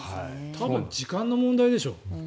多分時間の問題でしょう。